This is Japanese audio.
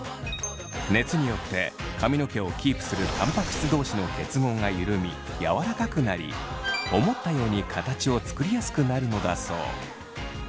熱によって髪の毛をキープするタンパク質同士の結合が緩み柔らかくなり思ったように形を作りやすくなるのだそう。